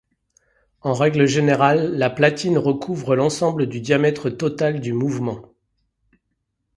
En règle générale, la platine recouvre l'ensemble du diamètre total du mouvement.